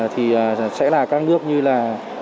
thì sẽ là các nước như là